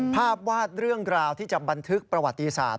ภาพวาดเรื่องราวที่จะบันทึกประวัติศาสต